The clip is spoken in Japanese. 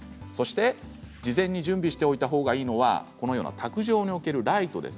事前に準備しておいたほうがいいものは卓上に置けるライトです。